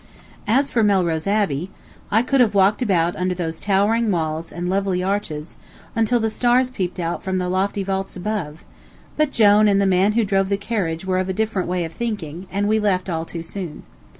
As for Melrose Abbey, I could have walked about under those towering walls and lovely arches until the stars peeped out from the lofty vaults above; but Jone and the man who drove the carriage were of a different way of thinking, and we left all too soon.